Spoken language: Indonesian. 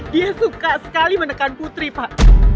dia suka sekali menekan putri pak